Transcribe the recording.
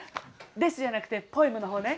デスじゃなくてポエムの方ね。